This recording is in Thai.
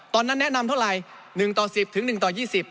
ตอนนั้นแนะนำเท่าไหร่๑ต่อ๑๐ถึง๑ต่อ๒๐